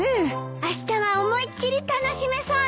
あしたは思いっ切り楽しめそうね。